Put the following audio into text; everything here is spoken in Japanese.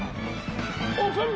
オープン。